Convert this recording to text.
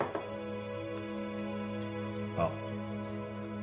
あっ。